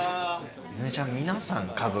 泉ちゃん。